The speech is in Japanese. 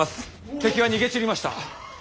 敵は逃げ散りました。